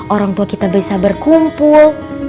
orang tua kita bisa berkumpul